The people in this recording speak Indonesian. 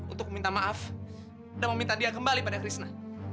untuk meminta maaf dan meminta dia kembali pada krisna